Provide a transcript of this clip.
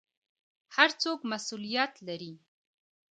هر څوک مسوولیت لري